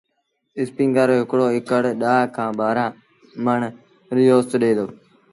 اسپيٚنگر رو هڪڙو اڪڙ ڏآه کآݩ ٻآهرآݩ مڻ ريٚ اوست ڏي دو۔